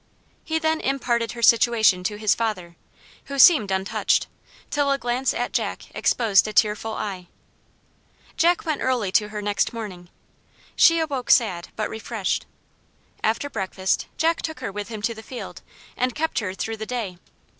He then imparted her situation to his father, who seemed untouched, till a glance at Jack exposed a tearful eye. Jack went early to her next morning. She awoke sad, but refreshed. After breakfast Jack took her with him to the field, and kept her through the day.